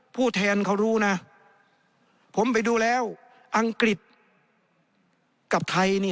ผู้แทนเขารู้นะผมไปดูแล้วอังกฤษกับไทย